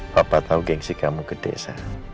papa tahu gengsi kamu ke desa